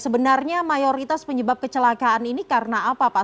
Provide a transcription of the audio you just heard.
sebenarnya mayoritas penyebab kecelakaan ini karena apa pak